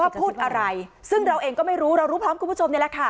พูดอะไรซึ่งเราเองก็ไม่รู้เรารู้พร้อมคุณผู้ชมนี่แหละค่ะ